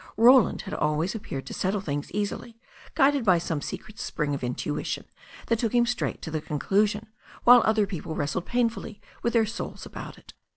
Roland had always appeared to settle things easily, guided by some secret spring of intuition that took him straight to a con clusion while other people wrestled painfully with their souls about it.